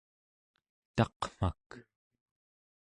taqmak